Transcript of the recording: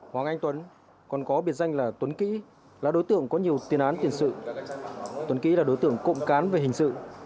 hoàng anh tuấn còn có biệt danh là tuấn kỹ là đối tượng có nhiều tiền án tiền sự tuấn kỹ là đối tượng cộng cán về hình sự